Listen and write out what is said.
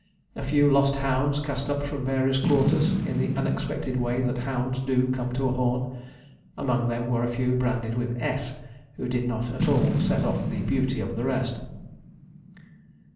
A few lost hounds cast up from various quarters, in the unexpected way that hounds do come to a horn. Among them were a few branded with S, who did not at all set off the beauty of the rest.